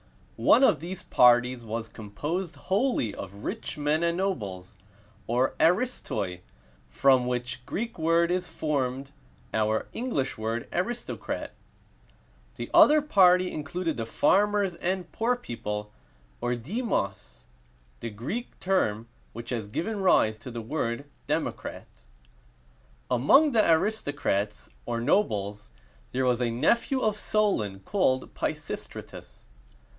One of these parties was composed wholly of rich men and nobles, or aristoi, from which Greek word is formed our English word "aristocrat;" the other party included the farmers and poor people, or demos, the Greek term which has given rise to the word "democrat." Among the aristocrats, or nobles, there was a nephew of Solon called Pi sis´tra tus.